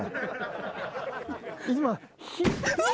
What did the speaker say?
今。